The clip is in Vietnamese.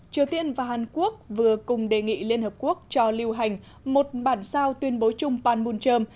triều tiên và hàn quốc vừa cùng đề nghị liên hợp quốc cho lưu hành một bản sao tuyên bố chung panmunjom